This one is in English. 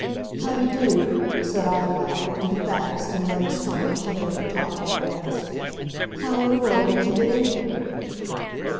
"Howdy do!" said I aloud to the fattest and reddest carnation that overtopped all the rest. "How in the world did you get in here?"